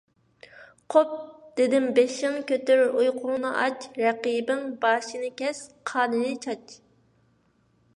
قوپ! دېدىم، بېشىڭ كۆتۈر! ئۇيقۇڭنى ئاچ! رەقىبىڭ باشىنى كەس، قانىنى چاچ!